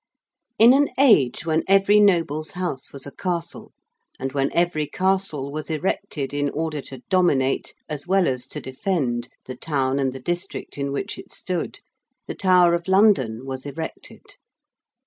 In an age when every noble's house was a castle, and when every castle was erected in order to dominate, as well as to defend, the town and the district in which it stood, the Tower of London was erected.